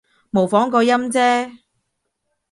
模仿個音啫